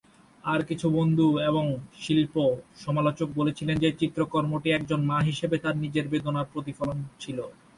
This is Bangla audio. তার কিছু বন্ধু এবং শিল্প সমালোচক বলেছিলেন যে চিত্রকর্মটি একজন মা হিসাবে তার নিজের বেদনার প্রতিফলন ছিল।